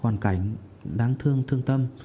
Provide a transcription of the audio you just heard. hoàn cảnh đáng thương thương tâm